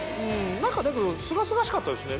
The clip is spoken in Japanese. だけどすがすがしかったですね